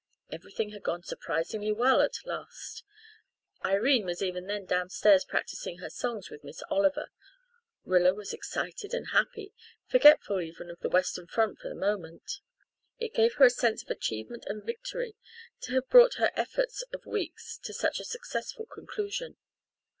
Everything had gone surprisingly well at the last; Irene was even then downstairs practising her songs with Miss Oliver; Rilla was excited and happy, forgetful even of the Western front for the moment. It gave her a sense of achievement and victory to have brought her efforts of weeks to such a successful conclusion.